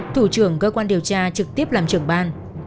thủ trưởng cơ quan điều tra trực tiếp làm trưởng ban